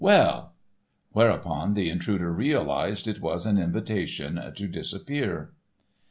Well?"—whereupon the intruder realized it was an invitation to disappear.